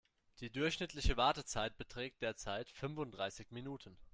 Die durchschnittliche Wartezeit beträgt derzeit fünfunddreißig Minuten.